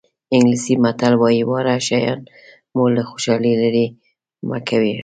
انګلیسي متل وایي واړه شیان مو له خوشحالۍ لرې مه کړي.